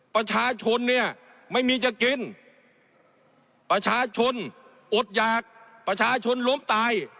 ประชาชนเนี่ยไม่มีจะกินประชาชนอดหยากประชาชนล้มตาย